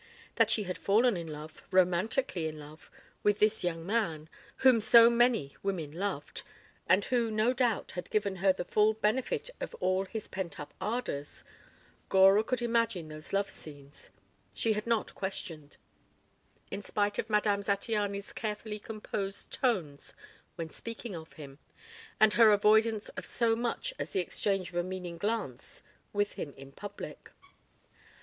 That she had fallen in love, romantically in love, with this young man, whom so many women loved, and who, no doubt, had given her the full benefit of all his pent up ardors Gora could imagine those love scenes she had not questioned, in spite of Madame Zattiany's carefully composed tones when speaking of him, and her avoidance of so much as the exchange of a meaning glance with him in public.